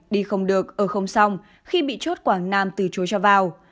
đi không được ở không xong khi bị chốt quảng nam từ chối cho vào